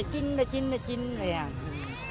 คุณป้าตรียนมายังไงบ้างคะ